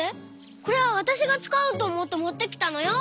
これはわたしがつかおうとおもってもってきたのよ！